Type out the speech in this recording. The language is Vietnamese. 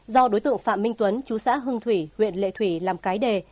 do đối tượng phạm minh tuấn chú xã hưng thủy huyện lệ thủy làm cái đề